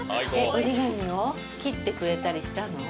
折り紙を切ってくれたりしたの？